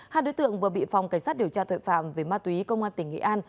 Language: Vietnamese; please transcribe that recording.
hai đối tượng vừa bị phòng cảnh sát điều tra tội phạm về ma túy công an tỉnh nghệ an